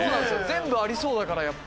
全部ありそうだからやっぱり。